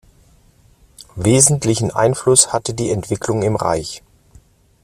Wesentlichen Einfluss hatte die Entwicklung im Reich.